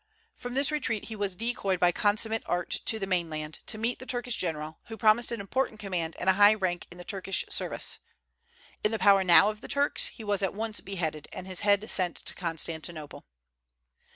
From this retreat he was decoyed by consummate art to the mainland, to meet the Turkish general, who promised an important command and a high rank in the Turkish service. In the power now of the Turks, he was at once beheaded, and his head sent to Constantinople.